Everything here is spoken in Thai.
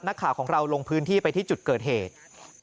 นักข่าวของเราลงพื้นที่ไปที่จุดเกิดเหตุ